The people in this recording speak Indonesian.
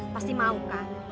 pasti mau kak